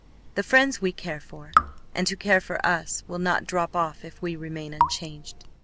The friends we care for and who care for us will not drop off if we remain unchanged.